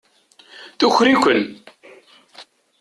Tuker-iken.